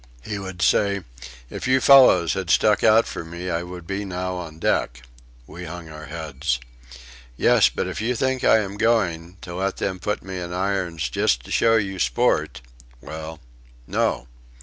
He would say, "If you fellows had stuck out for me I would be now on deck." We hung our heads. "Yes, but if you think I am going to let them put me in irons just to show you sport.... Well, no....